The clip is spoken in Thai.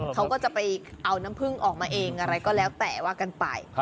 เขาก็จะไปเอาน้ำพึ่งออกมาเองอะไรก็แล้วแต่ว่ากันไป